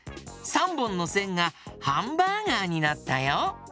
３ぼんのせんがハンバーガーになったよ。